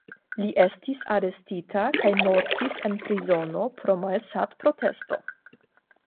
Li estis arestita kaj mortis en prizono pro malsatprotesto.